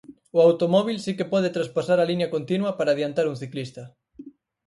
O automóbil si que pode traspasar a liña continua para adiantar un ciclista.